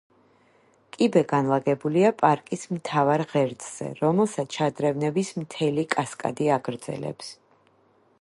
კიბე განლაგებულია პარკის მთავარ ღერძზე, რომელსაც შადრევნების მთელი კასკადი აგრძელებს.